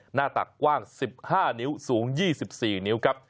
หน้าตักกว้าง๑๕นิ้วสูง๒๔นิ้วครับ